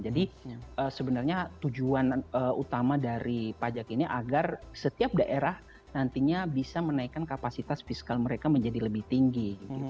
jadi sebenarnya tujuan utama dari pajak ini agar setiap daerah nantinya bisa menaikkan kapasitas fiskal mereka menjadi lebih tinggi